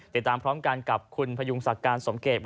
ติดตามพร้อมกันกับคุณพยุงศักดิ์การสมเกต